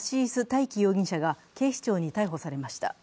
大樹容疑者が警視庁に逮捕されました。